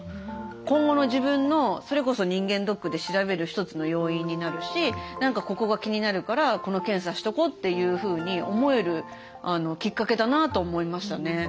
今後の自分のそれこそ人間ドックで調べる一つの要因になるし何かここが気になるからこの検査しとこうというふうに思えるきっかけだなと思いましたね。